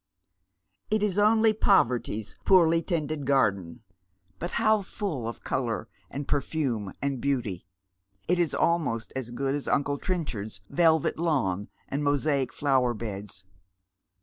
It is only poverty's poorly tended garden, but how full of colour and perfume and beauty ! It is almost as good as uncle Trenchard's velvet lawn and mosaic flower beds.